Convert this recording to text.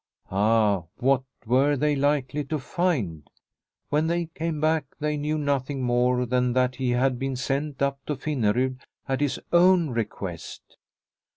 Ah, what were they likely to find ? When they came back, they knew nothing more than that he had been sent up to Finnerud at his own request.